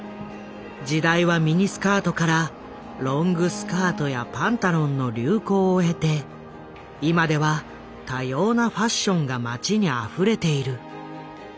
時代はミニスカートからロングスカートやパンタロンの流行を経て今では多様なファッションが街にあふれている。